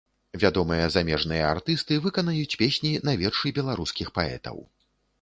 Вядомыя замежныя артысты выканаюць песні на вершы беларускіх паэтаў.